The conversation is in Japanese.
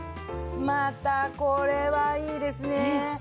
またこれはいいですね。